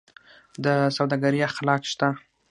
د سوداګرۍ اخلاق شته؟